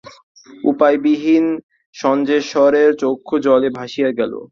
উপায়বিহীন যজ্ঞেশ্বরের চক্ষু জলে ভাসিয়া গেল।